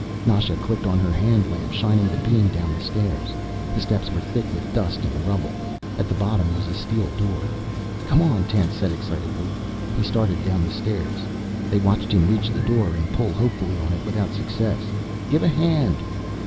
Nasha clicked on her hand lamp, shining the beam down the stairs. The steps were thick with dust and rubble. At the bottom was a steel door. "Come on," Tance said excitedly. He started down the stairs. They watched him reach the door and pull hopefully on it without success. "Give a hand!"